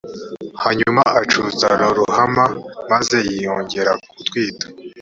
hanyuma acutsa loruhama maze yongera gutwita